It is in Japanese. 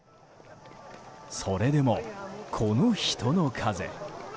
それでも、この人の数。